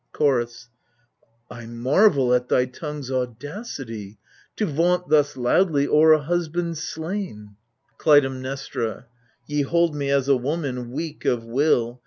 Chorus I marvel at thy tongue's audacity. To vaunt thus loudly o'er a husband slain. Clytemnestra Ye hold me as a woman, weak of will.